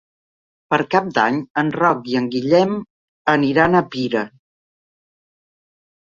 Per Cap d'Any en Roc i en Guillem aniran a Pira.